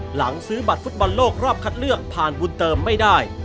หลังซื้อบัตรฟุตบอลโลกรอบคัดเลือกผ่านบุญเติมไม่ได้